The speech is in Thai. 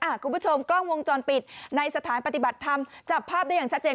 คุณผู้ชมกล้องวงจรปิดในสถานปฏิบัติธรรมจับภาพได้อย่างชัดเจน